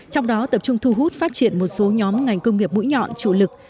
trong đó tập trung thu hút phát triển một số nhóm ngành công nghiệp mũi nhọn chủ lực